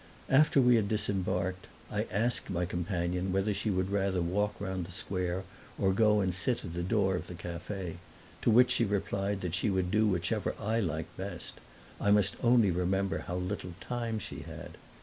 After we had disembarked I asked my companion whether she would rather walk round the square or go and sit at the door of the cafe; to which she replied that she would do whichever I liked best I must only remember again how little time she had.